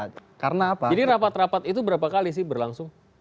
jadi rapat rapat itu berapa kali sih berlangsung